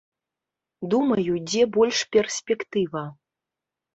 Думаю, дзе больш перспектыва.